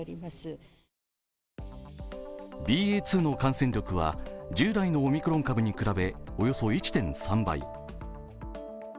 ＢＡ．２の感染力は従来のオミクロン株に比べおよそ１．３倍。